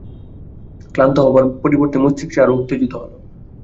ক্লান্ত হবার পরিবর্তে মস্তিষ্ক আরো উত্তেজিত হল।